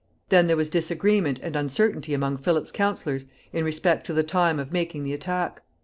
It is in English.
Then there was disagreement and uncertainty among Philip's counselors in respect to the time of making the attack.